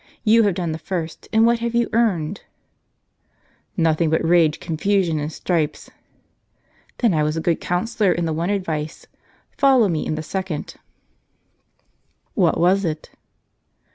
Tou have done the first, and what have you earned ?" "Nothing but rage, confusion, and stripes." " Then I was a good counsellor in the one advice ; follow me in the second." "What was it?"